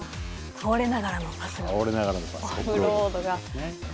倒れながらのパスオフロードですね。